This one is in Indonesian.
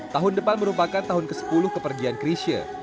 tahun depan merupakan tahun ke sepuluh kepergian krisha